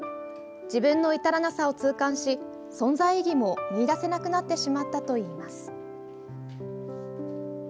自分の至らなさを痛感し存在意義も見いだせなくなってしまったといいます。